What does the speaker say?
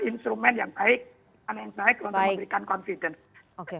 instrumen yang baik untuk memberikan confidence